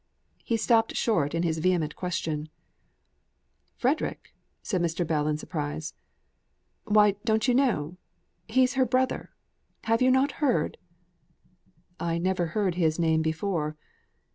He stopped short in his vehement question. "Frederick," said Mr. Bell in surprise. "Why, don't you know? He's her brother. Have you not heard " "I never heard his name before.